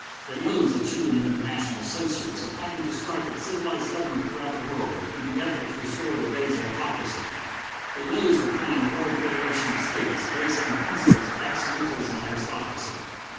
It knows that you and your international associates are planning to strike at civilized government throughout the world, in the effort to restore the days of autocracy. It knows you are planning a world federation of states, based on the principles of absolutism and aristocracy.